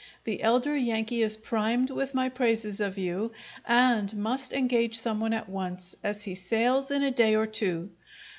The elder Yankee is primed with my praises of you, and must engage someone at once, as he sails in a day or two.